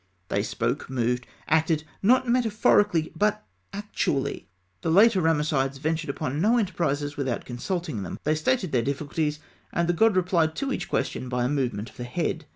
They spoke, moved, acted not metaphorically, but actually. The later Ramessides ventured upon no enterprises without consulting them. They stated their difficulties, and the god replied to each question by a movement of the head.